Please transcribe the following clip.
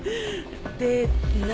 で何？